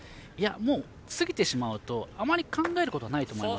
もう過ぎてしまうとあまり考えることはないと思います。